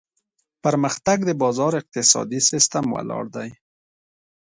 پرمختګ د بازار اقتصادي سیستم ولاړ دی.